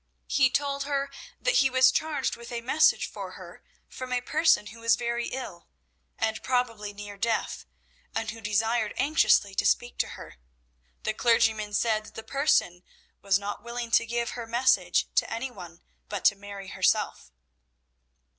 He told her that he was charged with a message for her from a person who was very ill and probably near death, and who desired anxiously to speak to her. The clergyman said that the person was not willing to give her message to any one but to Mary herself.